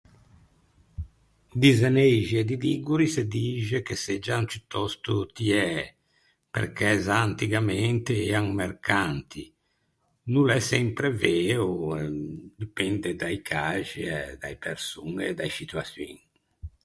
Di zeneixi e di liguri se dixe che seggian ciutòsto tiæ, perché za antigamente ean mercanti. No l’é sempre veo, depende da-i caxi e da-e persoñe e da-e scituaçioin.